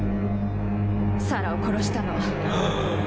サラを殺したのは。